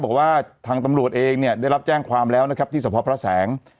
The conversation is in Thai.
บอกว่าทางตำรวจเองเนี่ยได้รับแจ้งความแล้วนะครับที่สะพอพระแสง